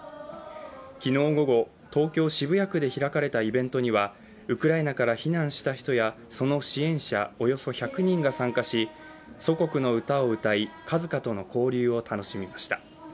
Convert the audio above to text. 昨日午後、東京・渋谷区で開かれたイベントには、ウクライナから避難した人やその支援者、およそ１００人が参加し祖国の歌を歌いＫＡＺＫＡとの交流を楽しみました。